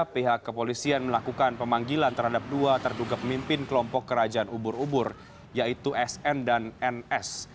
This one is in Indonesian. pihak kepolisian melakukan pemanggilan terhadap dua terduga pemimpin kelompok kerajaan ubur ubur yaitu sn dan ns